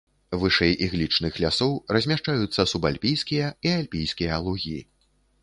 Вышэй іглічных лясоў размяшчаюцца субальпійскія і альпійскія лугі.